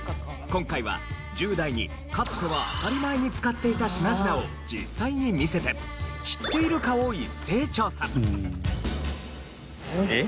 今回は１０代にかつては当たり前に使っていた品々を実際に見せて知っているかを一斉調査。